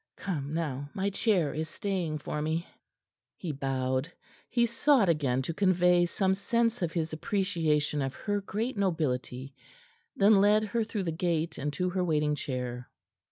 Come, now; my chair is staying for me." He bowed; he sought again to convey some sense of his appreciation of her great nobility; then led her through the gate and to her waiting chair.